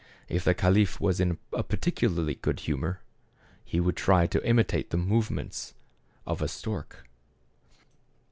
If the caliph was in a particularly good humor, he would try to imitate the movements of a stork.